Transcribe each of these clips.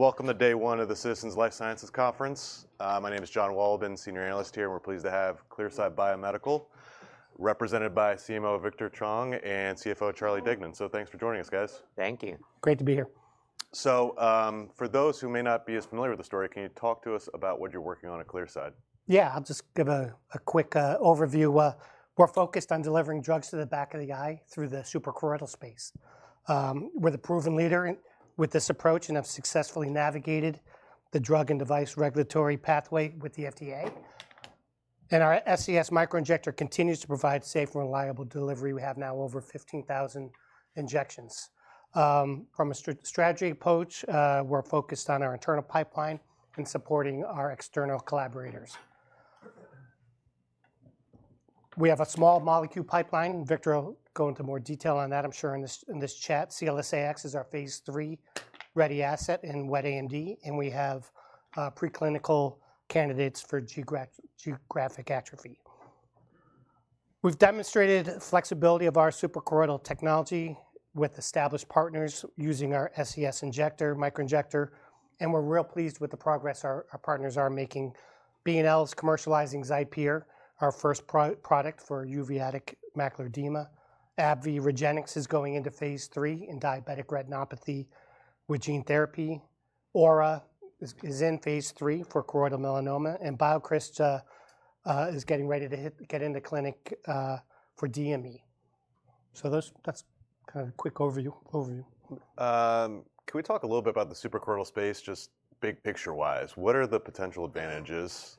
Welcome to Day One of the Citizens Life Sciences Conference. My name is Jon Wolleben, Senior Analyst here, and we're pleased to have Clearside Biomedical represented by CMO Victor Chong and CFO Charlie Deignan. Thanks for joining us, guys. Thank you. Great to be here. For those who may not be as familiar with the story, can you talk to us about what you're working on at Clearside? Yeah, I'll just give a quick overview. We're focused on delivering drugs to the back of the eye through the suprachoroidal space. We're the proven leader with this approach and have successfully navigated the drug and device regulatory pathway with the FDA. Our SCS Microinjector continues to provide safe and reliable delivery. We have now over 15,000 injections. From a strategy approach, we're focused on our internal pipeline and supporting our external collaborators. We have a small molecule pipeline. Victor will go into more detail on that, I'm sure, in this chat. CLS-AX is our phase III ready asset in wet AMD, and we have preclinical candidates for geographic atrophy. We've demonstrated flexibility of our suprachoroidal technology with established partners using our SCS Microinjector, and we're real pleased with the progress our partners are making. B&L is commercializing Zupelia, our first product for uveitic macular edema. AbbVie REGENX is going into phase III in diabetic retinopathy with gene therapy. Aura is in phase III for choroidal melanoma, and BioCrystal is getting ready to get into clinic for DME. So that's kind of a quick overview. Can we talk a little bit about the suprachoroidal space, just big picture-wise? What are the potential advantages?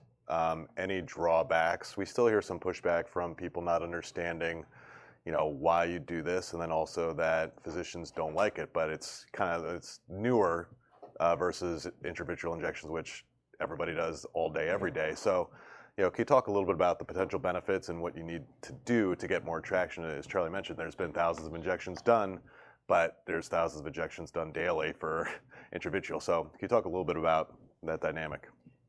Any drawbacks? We still hear some pushback from people not understanding why you do this, and then also that physicians do not like it, but it is kind of newer versus intravitreal injections, which everybody does all day, every day. Can you talk a little bit about the potential benefits and what you need to do to get more traction? As Charlie mentioned, there have been thousands of injections done, but there are thousands of injections done daily for intravitreal. Can you talk a little bit about that dynamic?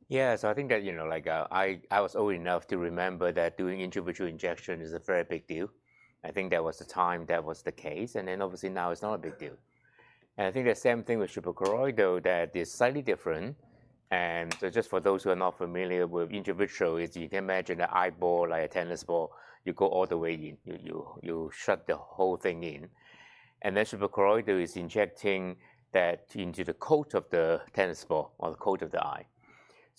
Yeah, so I think that I was old enough to remember that doing intravitreal injection is a very big deal. I think that was the time that was the case, and obviously now it's not a big deal. I think the same thing with suprachoroidal, that it's slightly different. Just for those who are not familiar with intravitreal, you can imagine the eyeball, like a tennis ball, you go all the way in. You shut the whole thing in. Suprachoroidal is injecting that into the coat of the tennis ball or the coat of the eye.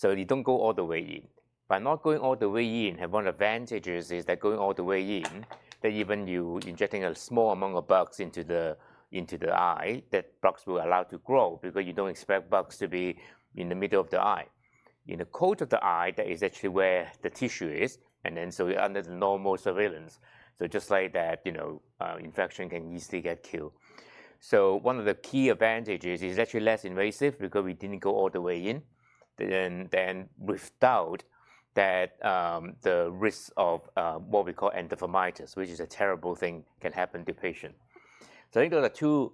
You do not go all the way in. By not going all the way in, one advantage is that going all the way in, that even you're injecting a small amount of bugs into the eye, that bugs will allow to grow because you don't expect bugs to be in the middle of the eye. In the coat of the eye, that is actually where the tissue is, and then under the normal surveillance, just like that, infection can easily get killed. One of the key advantages is actually less invasive because we didn't go all the way in, then without that, the risk of what we call endophthalmitis, which is a terrible thing, can happen to patients. I think those are two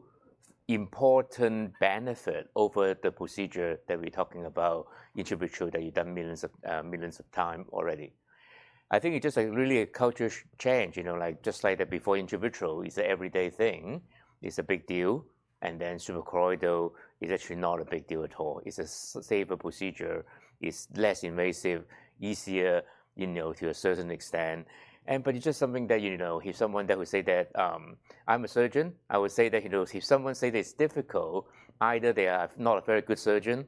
important benefits over the procedure that we're talking about, intravitreal that you've done millions of times already. I think it's just really a culture change. Just like before, intravitreal, it's an everyday thing. It's a big deal. Then suprachoroidal is actually not a big deal at all. It's a safer procedure. It's less invasive, easier to a certain extent. It's just something that if someone would say that I'm a surgeon, I would say that if someone says it's difficult, either they are not a very good surgeon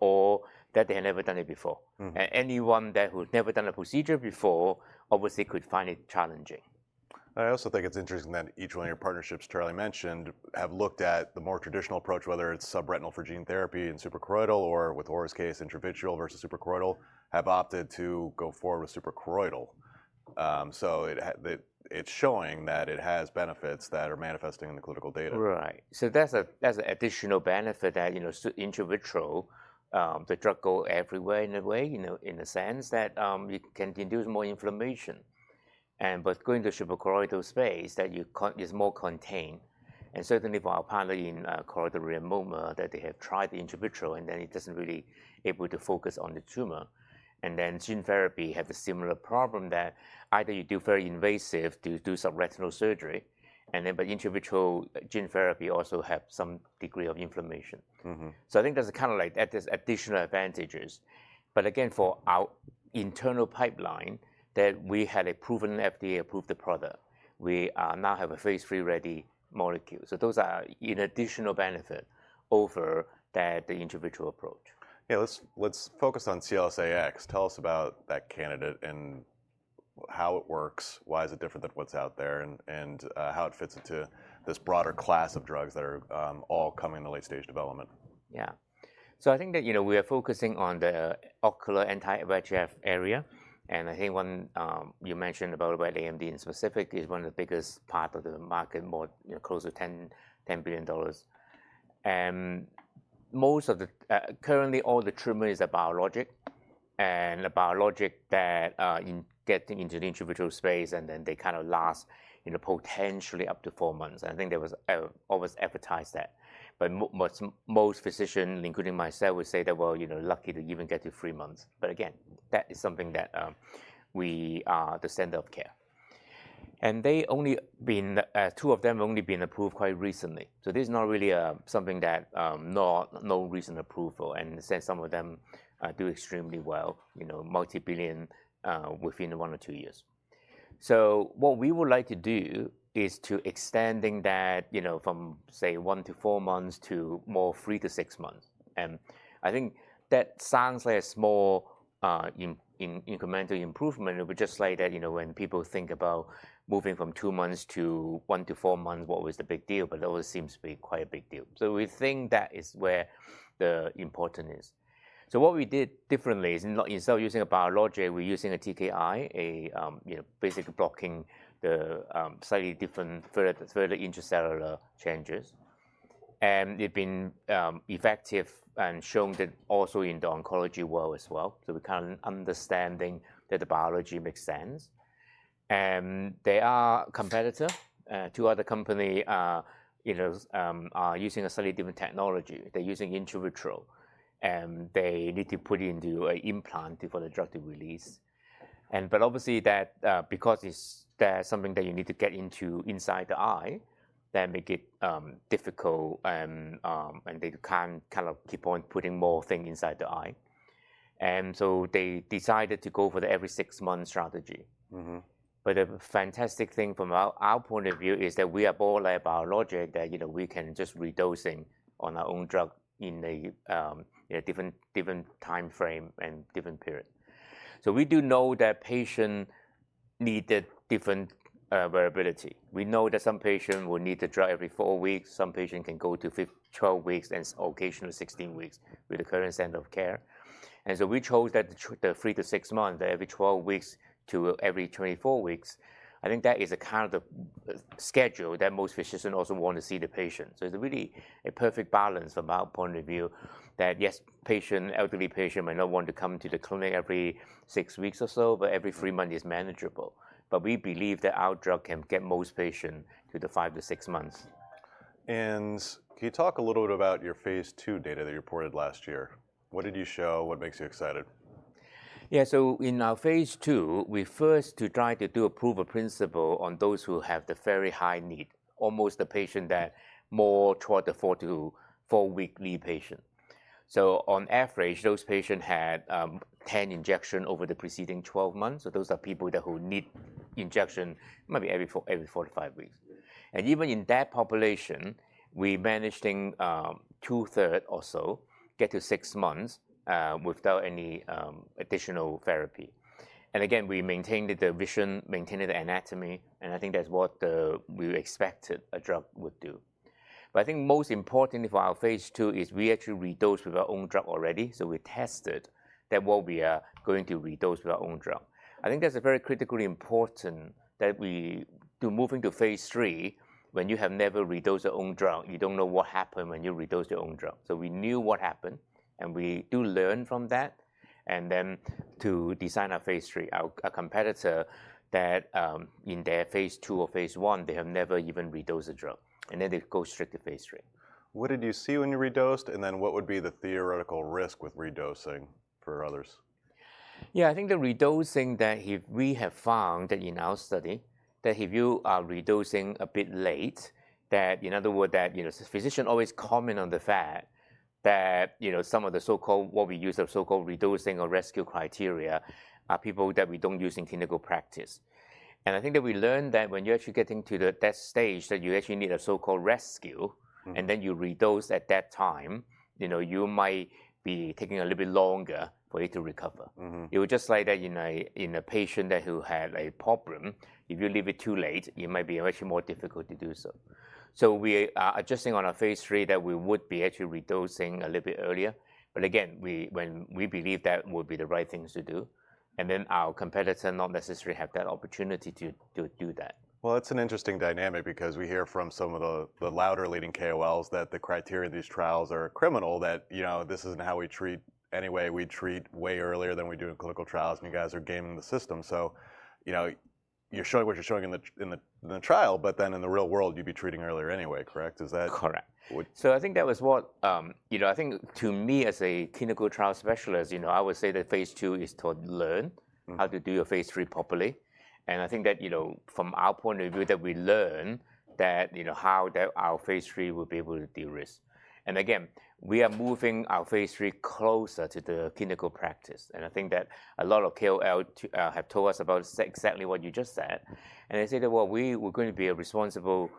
or that they have never done it before. Anyone who's never done a procedure before obviously could find it challenging. I also think it's interesting that each one of your partnerships Charlie mentioned have looked at the more traditional approach, whether it's subretinal for gene therapy and suprachoroidal or with Aura's case, intravitreal versus suprachoroidal, have opted to go forward with suprachoroidal. It is showing that it has benefits that are manifesting in the clinical data. Right. So that's an additional benefit that intravitreal, the drug goes everywhere in a way, in the sense that you can induce more inflammation. Going to suprachoroidal space, that is more contained. Certainly for our partner in choroidal melanoma, they have tried intravitreal, and then it doesn't really be able to focus on the tumor. Gene therapy has a similar problem that either you do very invasive to do subretinal surgery, but intravitreal gene therapy also has some degree of inflammation. I think that's kind of like additional advantages. Again, for our internal pipeline, we had a proven FDA-approved product, we now have a phase III ready molecule. Those are an additional benefit over the intravitreal approach. Yeah, let's focus on CLS-AX. Tell us about that candidate and how it works, why is it different than what's out there, and how it fits into this broader class of drugs that are all coming in the late stage development. Yeah. I think that we are focusing on the ocular anti-VEGF area. I think one you mentioned about AMD in specific is one of the biggest parts of the market, more close to $10 billion. Currently, all the treatment is a biologic, and a biologic that gets into the intravitreal space, and then they kind of last potentially up to four months. I think they were always advertised that. Most physicians, including myself, would say that we're lucky to even get to three months. That is something that we are the center of care. Two of them have only been approved quite recently. This is not really something that no reason to approve for. Since some of them do extremely well, multibillion within one or two years. What we would like to do is to extend that from, say, one to four months to more three to six months. I think that sounds like a small incremental improvement, but just like that when people think about moving from two months to one to four months, what was the big deal, but it always seems to be quite a big deal. We think that is where the importance is. What we did differently is instead of using a biologic, we're using a TKI, basically blocking the slightly different further intracellular changes. They've been effective and shown that also in the oncology world as well. We're kind of understanding that the biology makes sense. They are a competitor. Two other companies are using a slightly different technology. They're using intravitreal. They need to put it into an implant before the drug can release. Obviously, because it's something that you need to get into inside the eye, that makes it difficult, and they can't kind of keep on putting more things inside the eye. They decided to go for the every six months strategy. A fantastic thing from our point of view is that we have all our biologic that we can just redosing on our own drug in a different time frame and different period. We do know that patients need different variability. We know that some patients will need the drug every four weeks. Some patients can go to 12 weeks and occasionally 16 weeks with the current standard of care. We chose the three to six months, every 12 weeks to every 24 weeks. I think that is a kind of schedule that most physicians also want to see the patient. It is really a perfect balance from our point of view that, yes, elderly patients may not want to come to the clinic every six weeks or so, but every three months is manageable. We believe that our drug can get most patients to the five to six-months. Can you talk a little bit about your phase II data that you reported last year? What did you show? What makes you excited? Yeah, so in our phase II, we first tried to do a proof of principle on those who have the very high need, almost the patient that more toward the four-weekly patient. On average, those patients had 10 injections over the preceding 12 months. Those are people that who need injection maybe every four to five weeks. Even in that population, we managed two-thirds or so to get to six months without any additional therapy. Again, we maintained the vision, maintained the anatomy, and I think that's what we expected a drug would do. I think most importantly for our phase II is we actually redosed with our own drug already. We tested that what we are going to redose with our own drug. I think that's very critically important that we do moving to phase III when you have never redosed your own drug, you don't know what happened when you redosed your own drug. We knew what happened, and we do learn from that, and then to design our phase III, our competitor that in their phase II or phase I, they have never even redosed the drug. They go straight to phase III. What did you see when you redosed, and then what would be the theoretical risk with redosing for others? Yeah, I think the redosing that we have found in our study, that if you are redosing a bit late, in other words, physicians always comment on the fact that some of the so-called, what we use are so-called redosing or rescue criteria, are people that we don't use in clinical practice. I think that we learned that when you're actually getting to that stage that you actually need a so-called rescue, and then you redose at that time, you might be taking a little bit longer for it to recover. It was just like that in a patient who had a problem, if you leave it too late, it might be actually more difficult to do so. We are adjusting on our phase III that we would be actually redosing a little bit earlier. We believe that would be the right things to do. Our competitors not necessarily have that opportunity to do that. It's an interesting dynamic because we hear from some of the louder leading KOLs that the criteria of these trials are criminal, that this isn't how we treat anyway. We treat way earlier than we do in clinical trials, and you guys are gaming the system. You're showing what you're showing in the trial, but then in the real world, you'd be treating earlier anyway, correct? Correct. I think that was what I think to me as a clinical trial specialist, I would say that phase II is to learn how to do your phase III properly. I think that from our point of view, we learn how our phase III will be able to deal with risk. Again, we are moving our phase III closer to the clinical practice. I think that a lot of KOL have told us about exactly what you just said. They say that we are going to be a responsible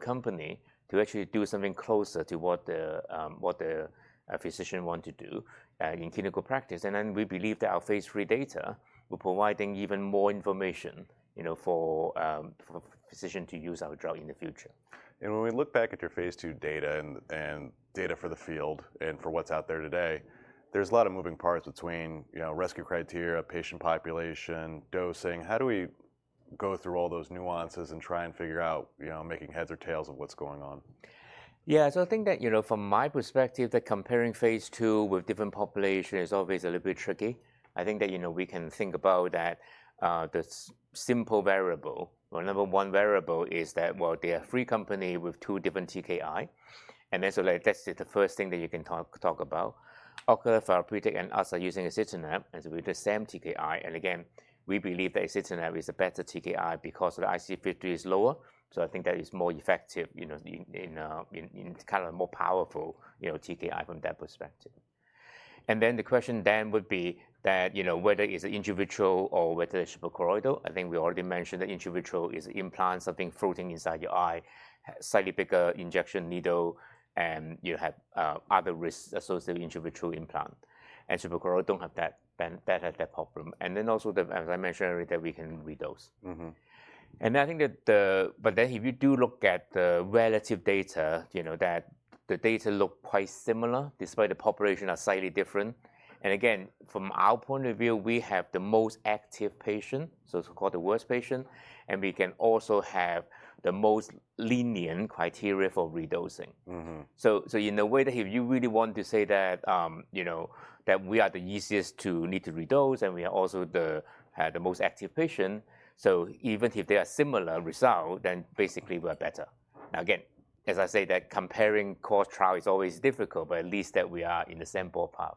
company to actually do something closer to what the physician wants to do in clinical practice. We believe that our phase III data will provide them even more information for physicians to use our drug in the future. When we look back at your phase II data and data for the field and for what's out there today, there's a lot of moving parts between rescue criteria, patient population, dosing. How do we go through all those nuances and try and figure out making heads or tails of what's going on? Yeah, so I think that from my perspective, that comparing phase II with different populations is always a little bit tricky. I think that we can think about that the simple variable or number one variable is that, well, there are three companies with two different TKIs. That's the first thing that you can talk about. Ocular, Pharvaris, and us are using axitinib as we do, the same TKI. Again, we believe that axitinib is a better TKI because the IC50 is lower. I think that is more effective in kind of a more powerful TKI from that perspective. The question then would be whether it's intravitreal or whether it's suprachoroidal. I think we already mentioned that intravitreal is implants, something floating inside your eye, slightly bigger injection needle, and you have other risks associated with intravitreal implant. Suprachoroidal does not have that problem. Also, as I mentioned earlier, we can redose. I think that if you do look at the relative data, the data look quite similar despite the populations being slightly different. Again, from our point of view, we have the most active patient, so-called the worst patient, and we also have the most lenient criteria for redosing. In a way, if you really want to say that we are the easiest to need to redose and we also have the most active patient, even if there are similar results, then basically we are better. Again, as I say, comparing core trials is always difficult, but at least we are in the same ballpark.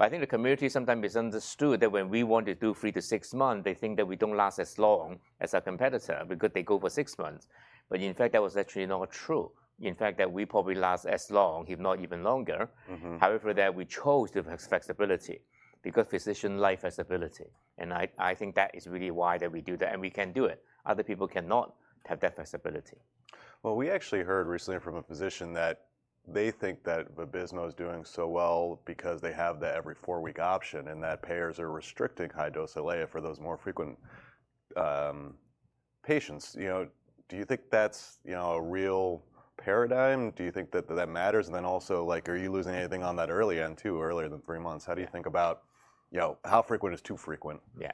I think the community sometimes misunderstood that when we want to do three to six months, they think that we don't last as long as our competitor because they go for six months. In fact, that was actually not true. In fact, that we probably last as long, if not even longer. However, that we chose to have flexibility because physician life has stability. I think that is really why that we do that. We can do it. Other people cannot have that flexibility. We actually heard recently from a physician that they think that Vabysmo is doing so well because they have the every four-week option and that payers are restricting high-dose Eylea for those more frequent patients. Do you think that's a real paradigm? Do you think that that matters? Also, are you losing anything on that early end too, earlier than three months? How do you think about how frequent is too frequent? Yeah.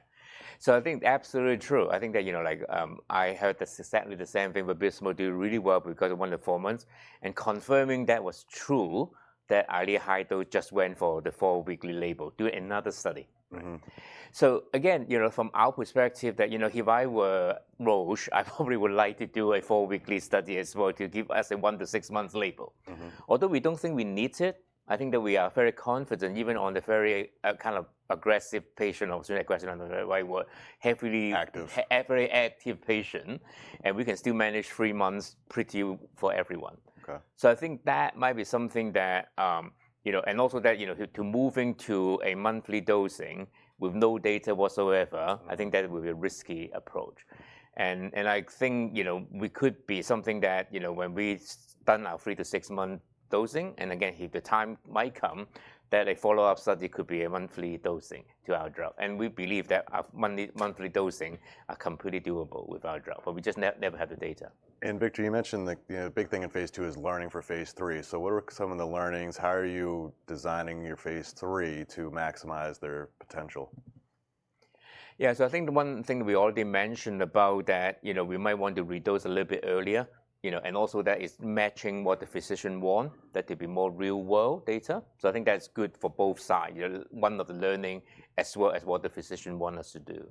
I think absolutely true. I think that I heard that certainly the same thing. Vabysmo did really well because it went to four months. Confirming that was true that Eylea high dose just went for the four-weekly label, do another study. Again, from our perspective, if I were Roche, I probably would like to do a four-weekly study as well to give us a one to six months label. Although we do not think we need it, I think that we are very confident even on the very kind of aggressive patient, I am sorry, aggressive is not the right word, heavily. Active. Every active patient. We can still manage three months pretty for everyone. I think that might be something that, and also that to moving to a monthly dosing with no data whatsoever, I think that would be a risky approach. I think we could be something that when we've done our three- to six-month dosing, and again, if the time might come that a follow-up study could be a monthly dosing to our drug. We believe that monthly dosing are completely doable with our drug. We just never have the data. Victor, you mentioned the big thing in phase II is learning for phase III. What are some of the learnings? How are you designing your phase III to maximize their potential? Yeah, so I think the one thing we already mentioned about that we might want to redose a little bit earlier. That is matching what the physician wants, that to be more real-world data. I think that's good for both sides, one of the learning as well as what the physician wants us to do.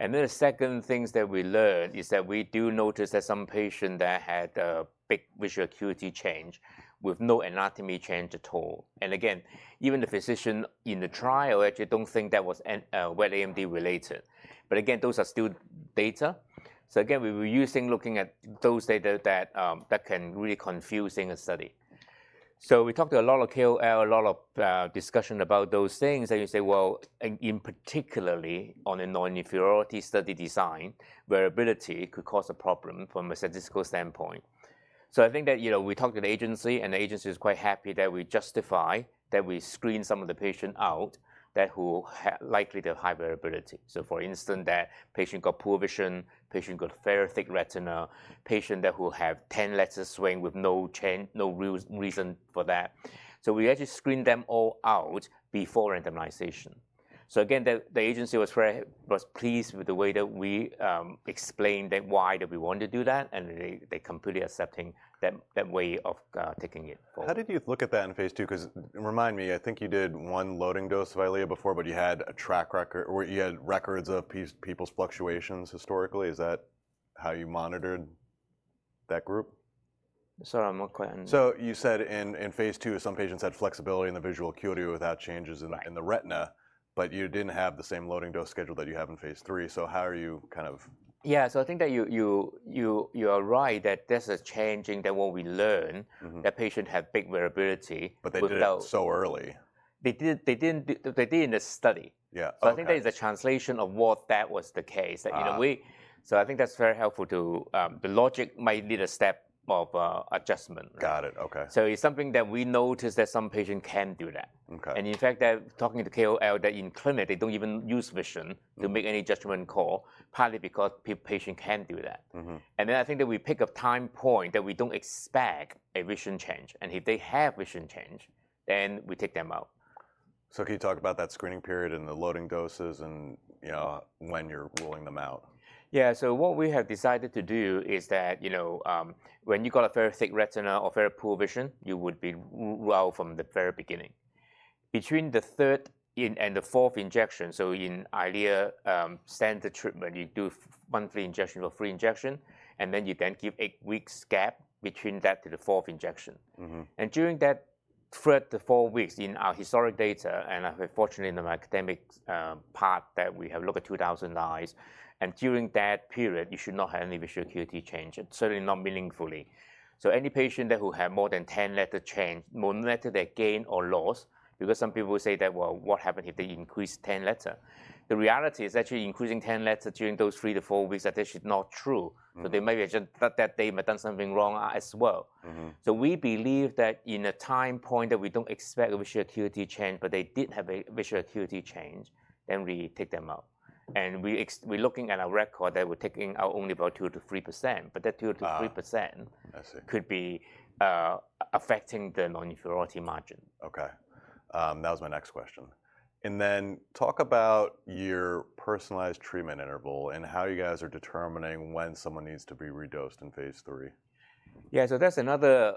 The second thing that we learned is that we do notice that some patients had a big visual acuity change with no anatomy change at all. Again, even the physician in the trial actually does not think that was wet AMD related. Those are still data. We were using looking at those data that can really confuse in a study. We talked to a lot of KOL, a lot of discussion about those things. In particular, on the non-inferiority study design, variability could cause a problem from a statistical standpoint. I think that we talked to the agency, and the agency is quite happy that we justify that we screen some of the patients out who are likely to have high variability. For instance, that patient got poor vision, patient got fair thick retina, patient who have 10 lesser swing with no reason for that. We actually screened them all out before randomization. The agency was pleased with the way that we explained why we wanted to do that, and they are completely accepting that way of taking it forward. How did you look at that in phase II? Because remind me, I think you did one loading dose of Eylea before, but you had a track record or you had records of people's fluctuations historically. Is that how you monitored that group? Sorry, I'm not quite on. You said in phase II, some patients had flexibility in the visual acuity without changes in the retina, but you did not have the same loading dose schedule that you have in phase III. How are you kind of? Yeah, so I think that you are right that this is changing, that what we learned, that patients have big variability. They did it so early. They didn't do what they did in the study. Yeah. I think that is a translation of what that was the case that we, I think that's very helpful to the logic, might need a step of adjustment. Got it. Okay. It's something that we noticed that some patients can do that. In fact, talking to KOL, in clinic, they don't even use vision to make any judgment call, partly because patients can do that. I think that we pick a time point that we don't expect a vision change. If they have vision change, then we take them out. Can you talk about that screening period and the loading doses and when you're ruling them out? Yeah, so what we have decided to do is that when you got a fair thick retina or fair poor vision, you would be rule out from the very beginning. Between the third and the fourth injection, in Eylea standard treatment, you do monthly injection or three injection, and then you then give eight weeks gap between that to the fourth injection. During that third to four weeks in our historic data, and fortunately in the academic part that we have looked at 2,000 eyes, and during that period, you should not have any visual acuity change, certainly not meaningfully. Any patient that who have more than 10 letter change, more letter than gain or loss, because some people say that, what happened if they increase 10 letter? The reality is actually increasing 10 letter during those three to four weeks that they should not true. They maybe just that day may have done something wrong as well. We believe that in a time point that we do not expect a visual acuity change, but they did have a visual acuity change, then we take them out. We are looking at our record that we are taking out only about 2%-3%, but that 2%-3% could be affecting the non-inferiority margin. Okay. That was my next question. Talk about your personalized treatment interval and how you guys are determining when someone needs to be redosed in phase III. Yeah, so that's another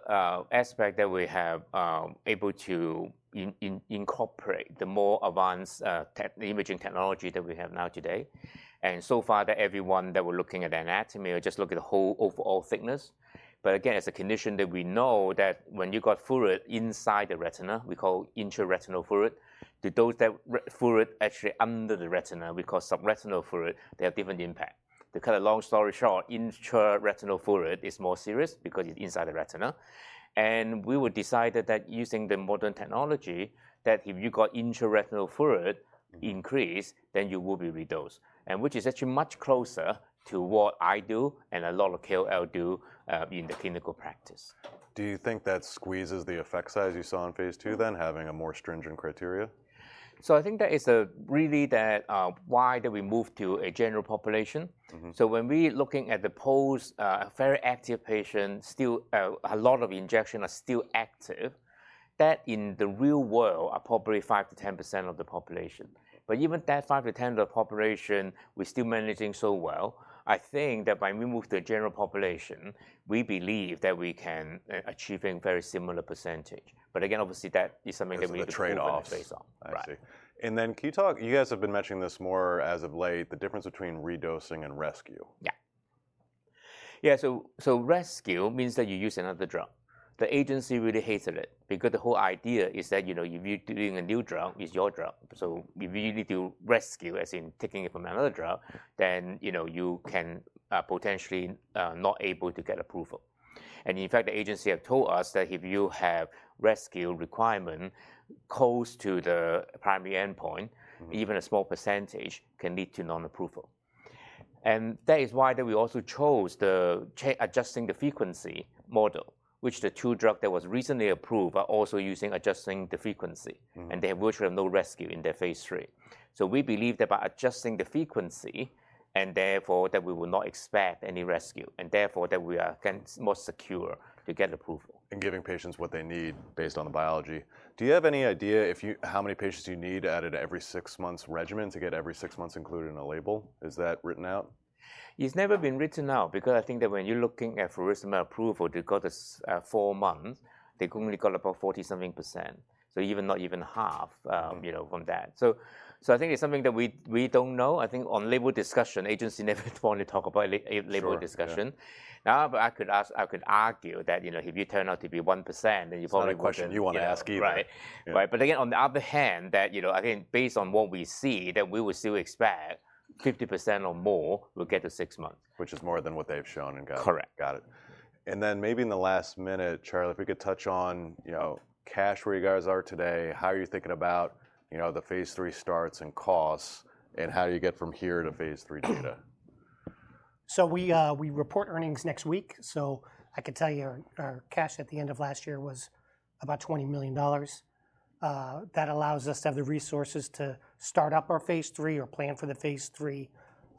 aspect that we have been able to incorporate, the more advanced imaging technology that we have now today. So far, when we're looking at anatomy, we just look at the whole overall thickness. Again, as a condition that we know, when you got fluid inside the retina, we call intraretinal fluid. The dose that fluid actually under the retina, we call subretinal fluid. They have different impact. To cut a long story short, intraretinal fluid is more serious because it's inside the retina. We would decide that using the modern technology, that if you got intraretinal fluid increase, then you will be redosed, which is actually much closer to what I do and a lot of KOL do in the clinical practice. Do you think that squeezes the effect size you saw in phase II then having a more stringent criteria? I think that is really why we moved to a general population. When we are looking at the post very active patient, still a lot of injection are still active, that in the real world are probably 5%-10% of the population. Even that 5-10% of the population, we're still managing so well. I think that by moving to a general population, we believe that we can achieve a very similar percentage. Again, obviously that is something that we need to. That's the trade-off. Based on. I see. Can you talk, you guys have been mentioning this more as of late, the difference between redosing and rescue? Yeah. Yeah, so rescue means that you use another drug. The agency really hated it because the whole idea is that if you're doing a new drug, it's your drug. If you really do rescue, as in taking it from another drug, then you can potentially not able to get approval. In fact, the agency have told us that if you have rescue requirement close to the primary endpoint, even a small percentage can lead to non-approval. That is why that we also chose the adjusting the frequency model, which the two drug that was recently approved are also using adjusting the frequency. They have virtually no rescue in their phase III. We believe that by adjusting the frequency and therefore that we will not expect any rescue and therefore that we are more secure to get approval. Giving patients what they need based on the biology. Do you have any idea how many patients you need to add to every six months regimen to get every six months included in a label? Is that written out? It's never been written out because I think that when you're looking at for resume approval, they got four months, they only got about 40-something percent. So not even half from that. I think it's something that we don't know. I think on label discussion, agency never finally talk about label discussion. Now, I could argue that if you turn out to be 1%, then you probably. Same question you want to ask either? Right. Right. On the other hand, I think based on what we see, we will still expect 50% or more will get to six months. Which is more than what they've shown and got. Correct. Got it. Maybe in the last minute, Charlie, if we could touch on cash where you guys are today, how are you thinking about the phase III starts and costs and how do you get from here to phase III data? We report earnings next week. I could tell you our cash at the end of last year was about $20 million. That allows us to have the resources to start up our phase III or plan for the phase III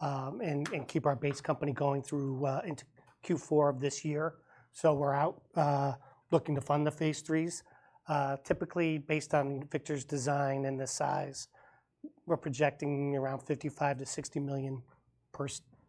and keep our base company going through into Q4 of this year. We're out looking to fund the phase IIIs. Typically, based on Victor's design and the size, we're projecting around $55 million-$60 million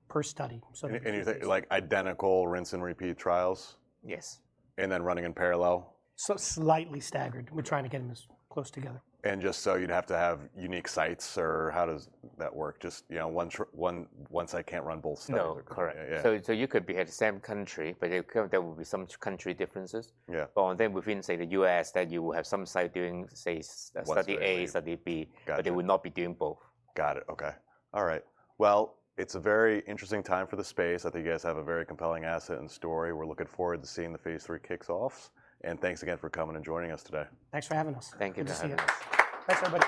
per study. You're thinking identical rinse and repeat trials? Yes. Running in parallel? Slightly staggered. We're trying to get them as close together. Just so you'd have to have unique sites or how does that work? Just one site can't run both studies. No, correct. You could be at the same country, but there will be some country differences. Then within, say, the U.S., you will have some site doing, say, study A, study B, but they will not be doing both. Got it. Okay. All right. It is a very interesting time for the space. I think you guys have a very compelling asset and story. We are looking forward to seeing the phase III kicks off. Thanks again for coming and joining us today. Thanks for having us. Thank you very much. Thanks, everybody.